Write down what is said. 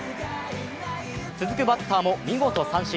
続くバッターも見事三振。